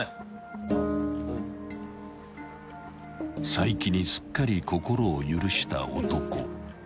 ［齋木にすっかり心を許した男］